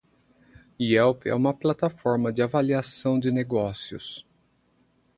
Yelp é uma plataforma de avaliação de negócios.